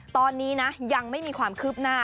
ตอนนี้นะยังไม่มีความคืบหน้า